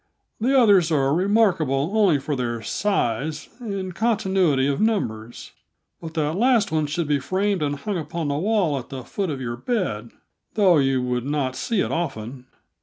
"The others are remarkable only for their size and continuity of numbers; but that last one should be framed and hung upon the wall at the foot of your bed, though you would not see it often.